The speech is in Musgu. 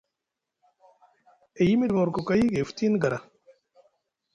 E yimiɗi morkokoy gay futini gara.